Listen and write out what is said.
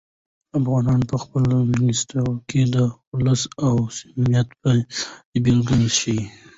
افغانان په خپلو مېلمستیاوو کې د "خلوص" او "صمیمیت" بې سارې بېلګې ښیي.